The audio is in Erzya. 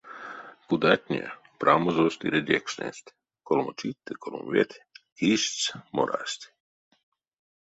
Кудатне прамозост иредекшнесть, колмо чить ды колмо веть киштсть-морасть.